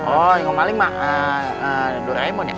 oh yang mau maling doraemon ya